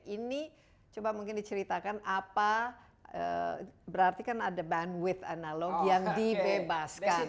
ini coba mungkin diceritakan apa berarti kan ada bandwidh analog yang dibebaskan